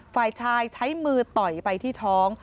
ฝ่ายชายใช้มือต่อยไปที่ท้อง